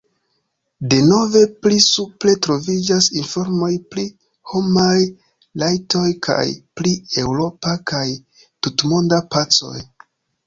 Denove pli supre troviĝas informoj pri homaj rajtoj kaj pri eŭropa kaj tutmonda pacoj.